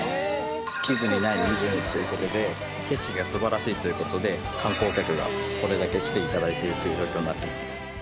地図にない湖という事で景色が素晴らしいという事で観光客がこれだけ来て頂いているという状況になっています。